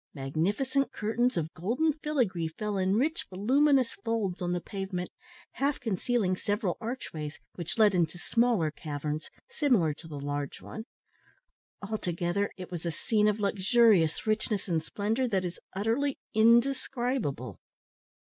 Magnificent curtains of golden filigree fell in rich voluminous folds on the pavement, half concealing several archways which led into smaller caverns, similar to the large one. Altogether it was a scene of luxurious richness and splendour that is utterly indescribable.